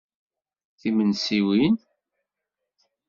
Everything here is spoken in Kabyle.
Timensiwin!